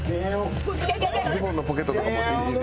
ズボンのポケットとかも入れて。